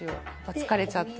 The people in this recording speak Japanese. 「疲れちゃって」